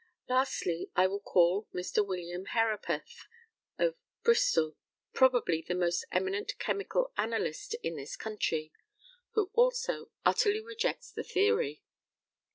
Lastly, I will call Mr. William Herapath, of Bristol, probably the most eminent chemical analyst in this country, who also utterly rejects the theory.